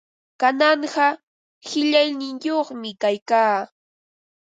Kananqa qillayniyuqmi kaykaa.